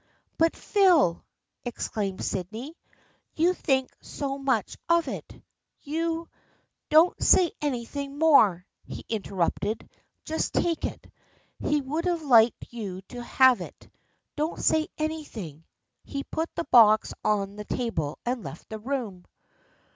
" But, Phil !" exclaimed Sydney, " you think so much of it. You "" Don't say anything more !" he interrupted. " Just take it. He would have liked you to have it. Don't say anything." He put the box on the table and left the room.